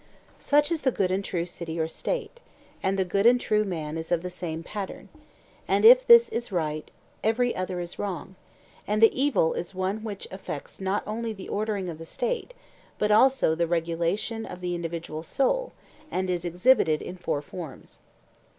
Such is the good and true City or State, and the good and true man is of the same pattern; and if this is right every other is wrong; and the evil is one which affects not only the ordering of the State, but also the regulation of the individual soul, and is exhibited in four forms.